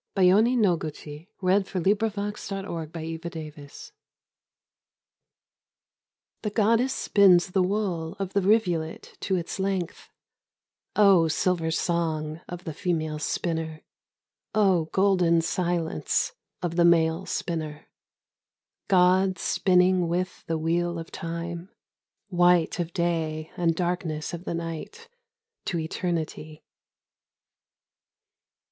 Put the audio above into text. In the voice of forests unto the sky. 47 THE GODDESS : GOD The goddess spins the wool of the rivulet to its length : O silver song of the female spinner ! O golden silence of the male spinner !'• God spinning with the wheel of Time, White of day and darkness of the night to eternity.